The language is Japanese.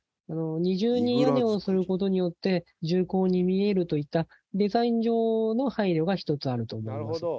２重に屋根をすることによって。といったデザイン上の配慮が一つあると思います。